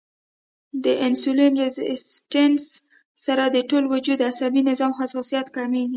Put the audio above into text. د انسولين ريزسټنس سره د ټول وجود د عصبي نظام حساسیت کميږي